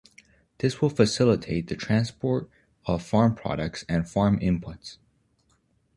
This will facilitate the transport of farm products and farm inputs.